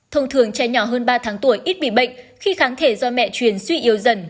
thông thường trẻ nhỏ hơn ba tháng tuổi ít bị bệnh khi kháng thể do mẹ truyền suy yếu dần